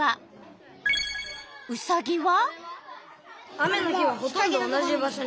ウサギは？